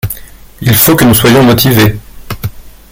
Il faut que nous soyons motivés.